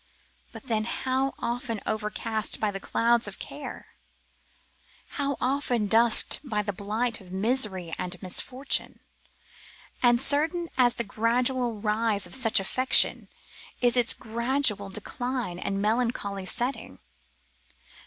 But then how often overcast by the clouds of care, how often dusked by the blight of misery and misfortune! And certain as the gradual rise of such affection is its gradual decline and melancholy setting.